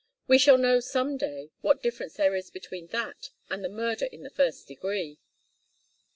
We shall know some day what difference there is between that and murder in the first degree.